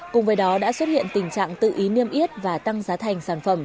cùng với đó đã xuất hiện tình trạng tự ý niêm yết và tăng giá thành sản phẩm